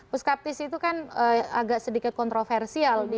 puskaptis itu kan agak sedikit kontroversial di dua ribu empat belas